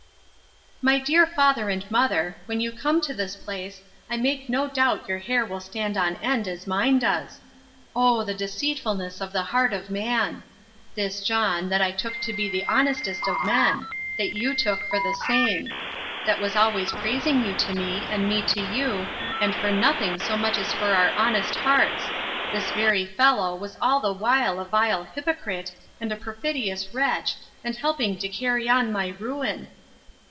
My dear father and mother, when you come to this place, I make no doubt your hair will stand on end as mine does!—O the deceitfulness of the heart of man!—This John, that I took to be the honestest of men; that you took for the same; that was always praising you to me, and me to you, and for nothing so much as for our honest hearts; this very fellow was all the while a vile hypocrite, and a perfidious wretch, and helping to carry on my ruin.